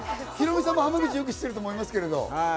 ヒロミさんも濱口をよく知ってると思いますけど。